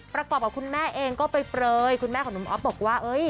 ประกอบกับคุณแม่เองก็เปลยคุณแม่ของหนุ่มอ๊อฟบอกว่า